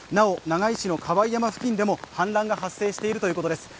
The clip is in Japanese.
なお長井市の川井山付近でも氾濫が発生しているということです。